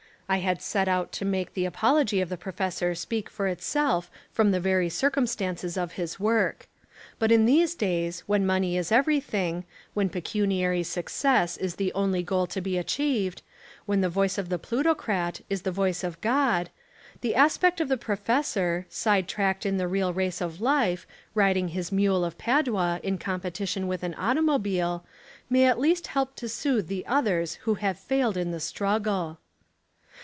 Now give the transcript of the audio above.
I had set out to make the apology of the professor speak for itself from the very circumstances of his work. But in these days, when money is everything, when pecuniary success is the only goal to be achieved, when the voice of the plutocrat Is as the voice of God, the aspect of the pro fessor, side tracked in the real race of life, riding his mule of Padua In competition with an automobile, may at least help to soothe the others who have failed in the struggle.